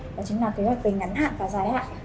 đó chính là kế hoạch về ngắn hạn và dài hạn